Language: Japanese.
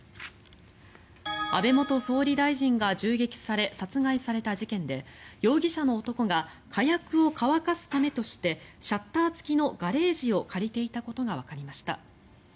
安倍元総理大臣が銃撃され殺害された事件で容疑者の男が火薬を乾かすためとしてシャッター付きのガレージを借りていたことがわかりました。